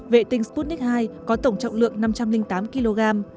vệ tinh sputnik hai có tổng trọng lượng năm trăm linh tám kg